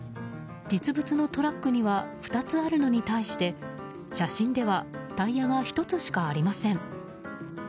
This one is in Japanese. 実物のトラックには２つあるのに対して写真ではタイヤが１つしかありません。